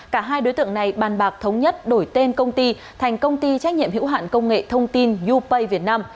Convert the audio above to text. cả hai đối tượng này bàn bạc thống nhất đổi tên công ty thành công ty trách nhiệm hữu hạn công nghệ thông tin yupay việt nam